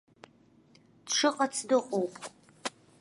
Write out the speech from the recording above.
Дшыҟац дыҟоуп.